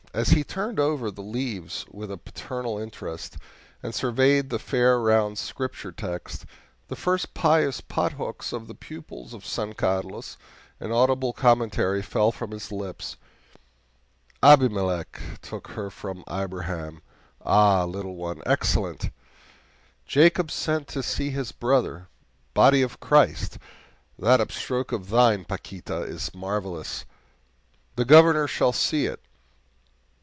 As he turned over the leaves with a paternal interest, and surveyed the fair round Scripture text the first pious pothooks of the pupils of San Carlos an audible commentary fell from his lips: "'Abimelech took her from Abraham' ah, little one, excellent! 'Jacob sent to see his brother' body of Christ! that upstroke of thine, Paquita, is marvelous; the Governor shall see it!"